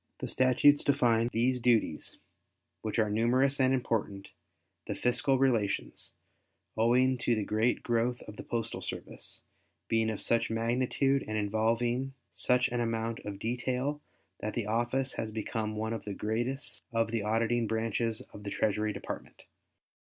The statutes define these duties which are numerous and important, the fiscal relations, owing to the great growth of the postal service, being of such magnitude and involving such an amount of detail that the office has become one of the greatest of the auditing branches of the Treasury Department.